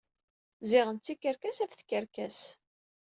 Ziɣen d tikerkas ɣef tkerkas.